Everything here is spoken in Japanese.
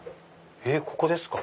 ここですか？